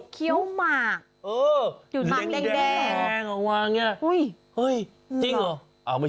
เคี้ยวหมาก